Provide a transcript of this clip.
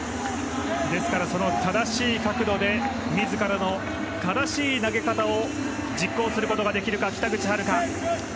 ですから正しい角度で自らの正しい投げ方を実行することができるか北口榛花。